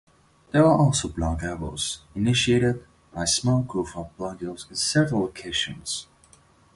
There are also blog awards initiated by small groups of bloggers in certain locations.